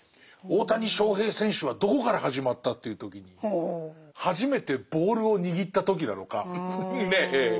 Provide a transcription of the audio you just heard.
大谷翔平選手はどこから始まったっていう時に初めてボールを握った時なのかねえ